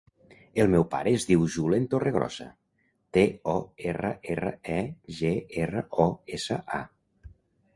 El meu pare es diu Julen Torregrosa: te, o, erra, erra, e, ge, erra, o, essa, a.